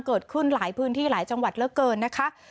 เกิดขึ้นหลายพื้นที่หลายจังหวัดเหลือเกินนะคะ